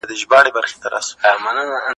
هغه کوټه چې لمر نهلري یخه ده.